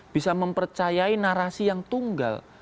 bisa mempercayai narasi yang tunggal